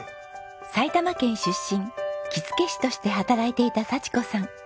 埼玉県出身着付け師として働いていた幸子さん。